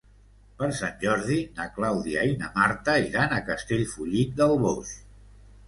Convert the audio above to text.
Per Sant Jordi na Clàudia i na Marta iran a Castellfollit del Boix.